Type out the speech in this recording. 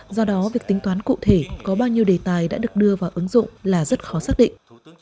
do đó việc tính toán cụ thể có bao nhiêu đề tài đã được đưa vào ứng dụng là rất khó xác định